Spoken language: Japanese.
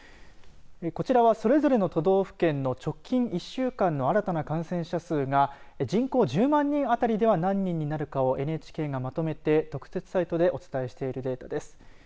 こちらは、それぞれの都道府県の直近１週間の新たな感染者数が人口１０万人あたりでは何人になるかをＮＨＫがまとめて特設サイトでお伝えしているデータです。